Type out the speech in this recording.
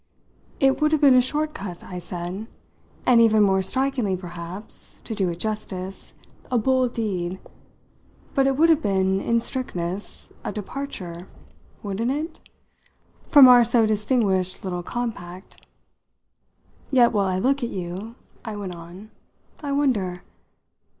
"It would have been a short cut," I said, "and even more strikingly perhaps to do it justice a bold deed. But it would have been, in strictness, a departure wouldn't it? from our so distinguished little compact. Yet while I look at you," I went on, "I wonder.